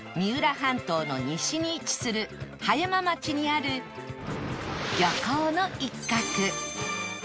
半島の西に位置する葉山町にある漁港の一角